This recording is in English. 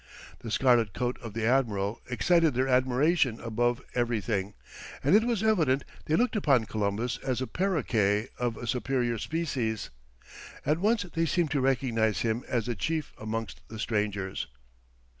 The scarlet coat of the admiral excited their admiration above everything, and it was evident they looked upon Columbus as a parroquet of a superior species; at once they seemed to recognize him as the chief amongst the strangers.